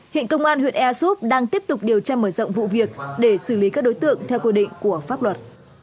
hiện công an huyện ea súp đang tiếp tục điều tra mở rộng vụ việc để xử lý các đối tượng theo quy định của pháp luật